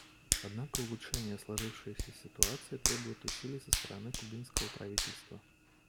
Однако улучшение сложившейся ситуации требует усилий и со стороны кубинского правительства.